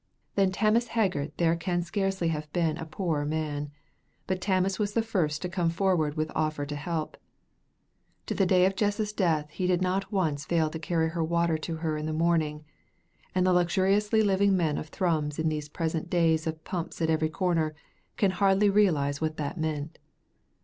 Than Tammas Haggart there can scarcely have been a poorer man, but Tammas was the first to come forward with offer of help. To the day of Jess's death he did not once fail to carry her water to her in the morning, and the luxuriously living men of Thrums in these present days of pumps at every corner, can hardly realize what that meant.